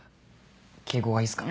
敬語がいいっすか？